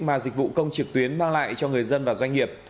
mà dịch vụ công trực tuyến mang lại cho người dân và doanh nghiệp